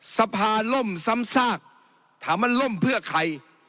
สภาล่มซ้ำซากถามว่าล่มเพื่อใคร